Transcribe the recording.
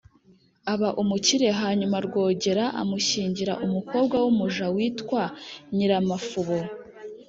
aba umukire. hanyuma rwogera amushyingira umukobwa w' umuja witwa nyiramafubo